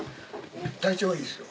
体調はいいですよ。